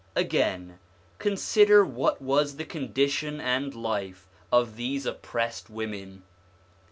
Again, consider what was the condition and life of these oppressed women!